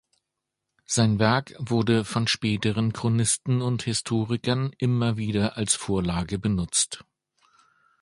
Sein Werk wurde von späteren Chronisten und Historikern immer wieder als Vorlage benutzt.